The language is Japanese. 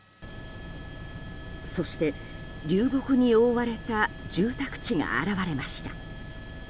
そして、流木に覆われた住宅地が現れました。